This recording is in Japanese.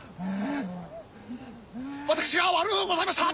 私が悪うございました！